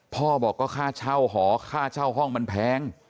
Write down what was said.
พ่อบอกก็ค่าเช่าหอค่าเช่าห้องมันแพง